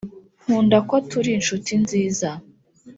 nkunda ko turi inshuti nziza